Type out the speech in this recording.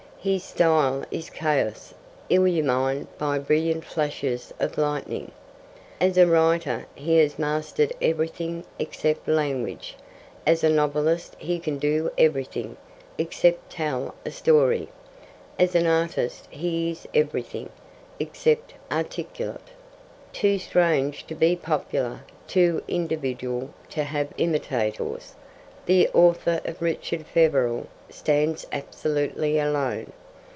His style is chaos illumined by brilliant flashes of lightning. As a writer he has mastered everything, except language; as a novelist he can do everything, except tell a story; as an artist he is everything, except articulate. Too strange to be popular, too individual to have imitators, the author of Richard Feverel stands absolutely alone.